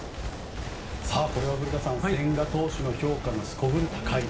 これは古田さん千賀投手の評価がすこぶる高いと。